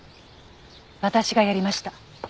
私がやりました。